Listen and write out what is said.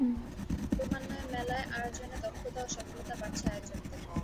ক্রমান্বয়ে মেলার আয়োজনে দক্ষতা ও সফলতা বাড়ছে আয়োজকদের।